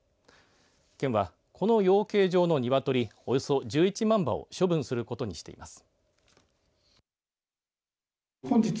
県は、この養鶏場のニワトリおよそ１１万羽を処分することにしています。